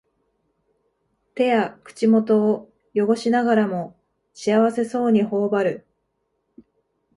手や口元をよごしながらも幸せそうにほおばる